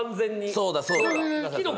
そうだそうだ。